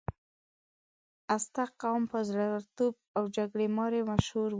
ازتک قوم په زړورتوب او جګړې مارۍ مشهور و.